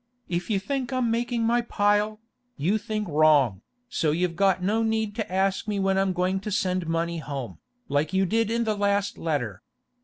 If you think I'm making my pile, you think rong, so you've got no need to ask me when I'm going to send money home, like you did in the last letter.